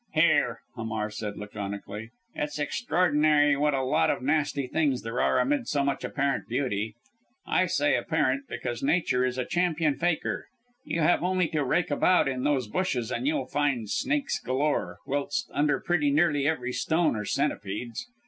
"Here," Hamar said laconically. "It's extraordinary what a lot of nasty things there are amid so much apparent beauty. I say apparent, because Nature is a champion faker. You have only to rake about in these bushes and you'll find snakes galore, whilst under pretty nearly every stone are centipedes.